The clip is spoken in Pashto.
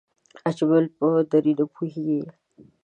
اجمل په دری نه پوهېږي